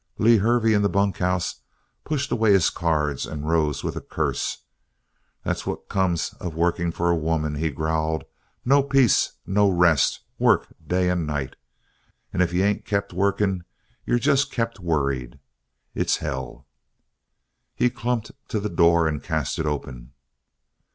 Lew Hervey, in the bunkhouse, pushed away his cards and rose with a curse. "That's what comes of working for a woman," he growled. "No peace. No rest. Work day and night. And if you ain't kept working you're just kept worried. It's hell!" He clumped to the door and cast it open.